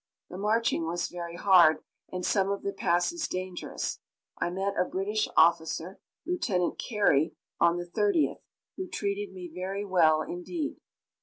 The marching was very hard, and some of the passes dangerous. I met a British officer, Lieutenant Carey, on the 30th, who treated me very well indeed.